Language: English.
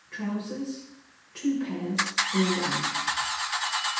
Trousers. 2 pairs or one.